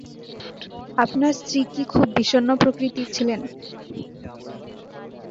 আপনার স্ত্রী কি খুব বিষণ্ণ প্রকৃতির ছিলেন?